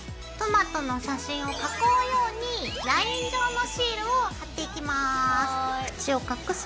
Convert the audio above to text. トマトの写真を囲うようにライン状のシールを貼っていきます。